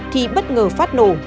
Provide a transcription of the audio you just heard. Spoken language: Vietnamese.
thì bất ngờ phát nổ